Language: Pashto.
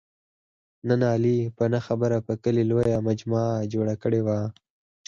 نن علي په نه خبره په کلي لویه مجمع جوړه کړې وه.